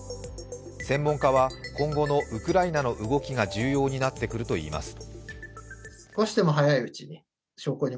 専門家は今後のウクライナの動きが重要になってくるといいます。